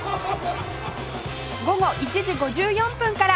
午後１時５４分から